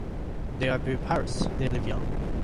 They are viviparous-they have live young.